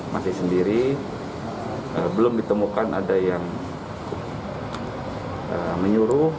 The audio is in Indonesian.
masih sendiri belum ditemukan ada yang menyuruh